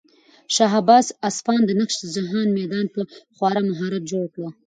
شاه عباس د اصفهان د نقش جهان میدان په خورا مهارت جوړ کړ.